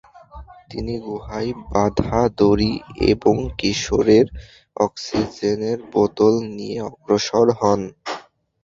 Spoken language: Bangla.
তিনি গুহায় বাঁধা দড়ি এবং কিশোরের অক্সিজেনের বোতল নিয়ে অগ্রসর হন।